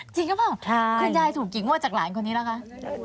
จริงหรือเปล่าคุณยายถูกกี่งวดจากหลานคนนี้แล้วคะ